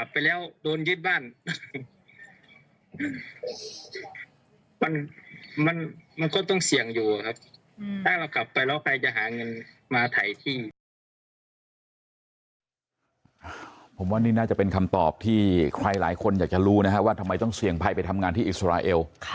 ผมว่านี่น่าจะเป็นคำตอบที่ใครหลายคนอยากจะรู้นะครับว่าทำไมต้องเสี่ยงภัยไปทำงานที่อิสราเอล